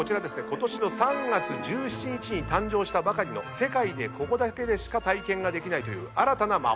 ことしの３月１７日に誕生したばかりの世界でここだけでしか体験ができないという。